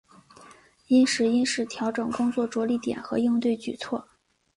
因时因势调整工作着力点和应对举措